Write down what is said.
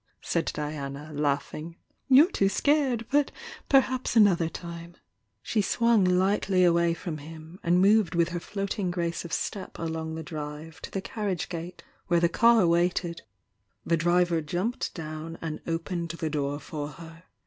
said Diana, laugh ing. "You're too scared! But perhaps another time "_,., She swung lightly away from him, and moved with her floating grace of step along the drive to the carriage gate, where the car waited. The driver jumped down rjid opened the door for her.